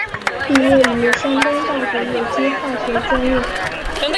毕业于山东大学有机化学专业。